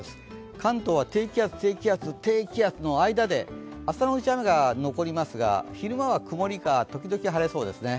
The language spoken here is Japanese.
関東は低気圧、低気圧、低気圧の間で朝のうちは雨が残りますが昼間は曇りか時々晴れそうですね。